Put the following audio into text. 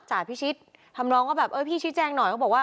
จ่าพี่ชิดทำนองว่าแบบเออพี่ชิดแจ้งหน่อยเขาบอกว่า